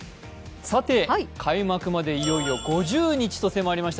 開幕までいよいよ５０日と迫りました